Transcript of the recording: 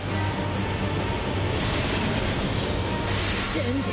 チェンジ！